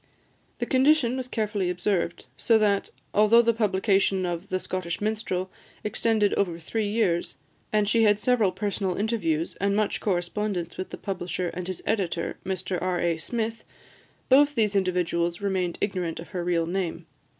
The condition was carefully observed; so that, although the publication of "The Scottish Minstrel" extended over three years, and she had several personal interviews and much correspondence with the publisher and his editor, Mr R. A. Smith, both these individuals remained ignorant of her real name.